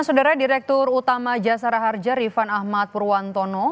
saudara direktur utama jasara harja rifan ahmad purwantono